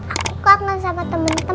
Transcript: aku cotmen sama temen temen